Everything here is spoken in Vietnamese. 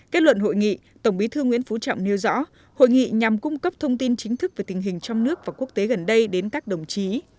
kết luận hội nghị tổng bí thư nguyễn phú trọng nêu rõ hội nghị nhằm cung cấp thông tin chính thức về tình hình trong nước và quốc tế gần đây đến các đồng chí